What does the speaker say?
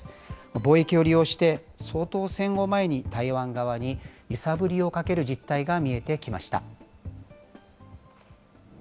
貿易を利用して、総統選を前に、台湾側に揺さぶりをかける実態が見えてきました。